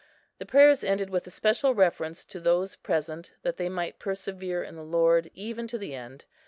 The prayers ended with a special reference to those present, that they might persevere in the Lord even to the end.